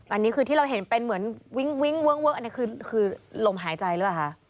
อันนี้คือที่เราเห็นเป็นเหมือนวิ้งวิ้งเวิ้งอันนี้คือลมหายใจหรือเปล่าคะ